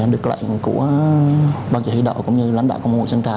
được lệnh của ban chỉ huy đậu cũng như lãnh đạo công an quận sân trà